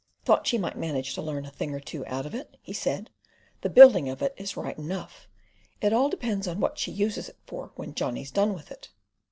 "Thought she might manage to learn a thing or two out of it," he said. "The building of it is right enough. It all depends what she uses it for when Johnny's done with it."